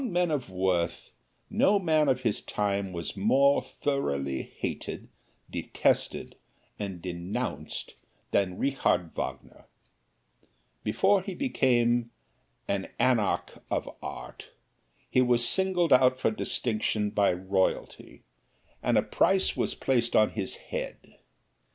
Among men of worth, no man of his time was more thoroughly hated, detested and denounced than Richard Wagner. Before he became an anarch of art, he was singled out for distinction by royalty and a price was placed upon his head.